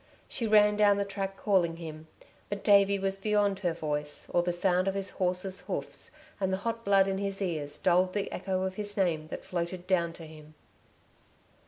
She ran down the track calling him. But Davey was beyond her voice, or the sound of his horse's hoofs and the hot blood in his ears dulled the echo of his name that floated down to him.